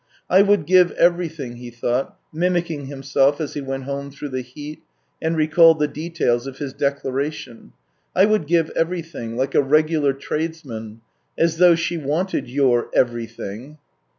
" I would give everything," he thought, mimick ing himself as he went home through the heat and recalled the details of his declaration. " I would give everything — like a regular tradesman. As though she wanted your everything